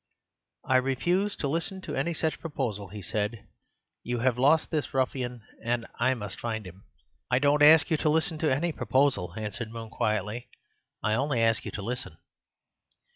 "I refuse to listen to any such proposal," he said; "you have lost this ruffian, and I must find him." "I don't ask you to listen to any proposal," answered Moon quietly; "I only ask you to listen."